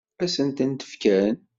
Ad sent-t-fken?